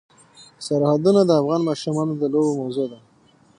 سرحدونه د افغان ماشومانو د لوبو موضوع ده.